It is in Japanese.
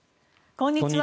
こんにちは。